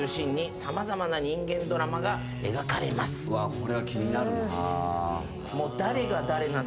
これは気になるな。